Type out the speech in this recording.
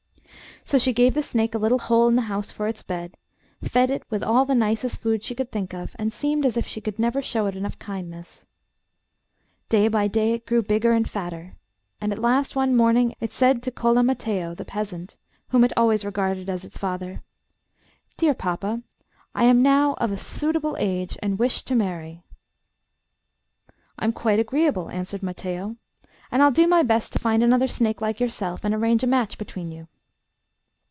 So she gave the snake a little hole in the house for its bed, fed it with all the nicest food she could think of, and seemed as if she never could show it enough kindness. Day by day it grew bigger and fatter, and at last one morning it said to Cola Mattheo, the peasant, whom it always regarded as its father, 'Dear papa, I am now of a suitable age and wish to marry.' 'I'm quite agreeable,' answered Mattheo, 'and I'll do my best to find another snake like yourself and arrange a match between you.